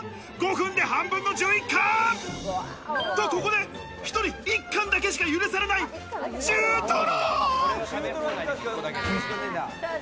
５分で半分の１１貫！と、ここで１人１貫だけしか許されない中トロ！